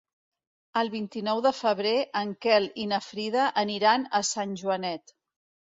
El vint-i-nou de febrer en Quel i na Frida aniran a Sant Joanet.